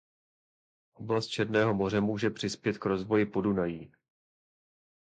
Oblast Černého moře může přispět k rozvoji Podunají.